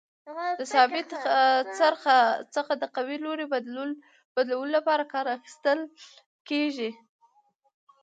د ثابت څرخ څخه د قوې لوري بدلولو لپاره کار اخیستل کیږي.